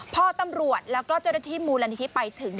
พอตำรวจแล้วก็เจ้าหน้าที่มูลนิธิไปถึง